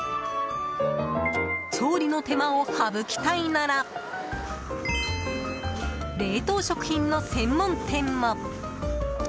調理の手間を省きたいなら冷凍食品の専門店も。